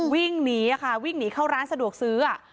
วิ่งหนีค่ะวิ่งหนีเข้าร้านสะดวกซื้อ